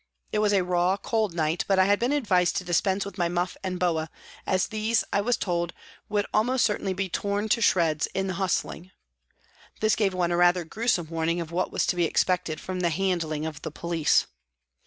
It was a raw, cold night, but I had been advised to dispense with my muff and boa, as these, I was told, would almost certainly be torn to shreds " in the hustling "; this gave one a rather gruesome warning of what was to be expected from the handling of the police.